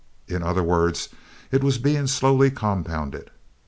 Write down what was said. In other words, it was being slowly compounded.